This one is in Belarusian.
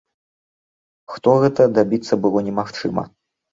Хто гэта, дабіцца было немагчыма.